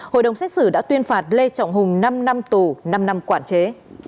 hội đồng xét xử đã tuyên phạt lê trọng hùng năm năm tù năm năm quản chế